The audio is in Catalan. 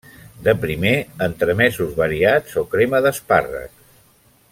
De primer, entremesos variats o crema d’espàrrecs.